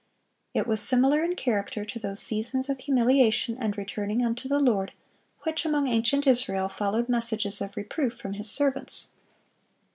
It was similar in character to those seasons of humiliation and returning unto the Lord which among ancient Israel followed messages of reproof from His servants.